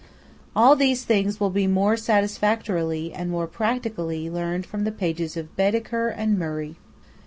All these things will be more satisfactorily, and more practically, learned from the pages of Baedeker and Murray.